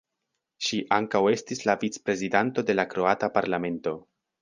Ŝi ankaŭ estis la vicprezidanto de la Kroata Parlamento.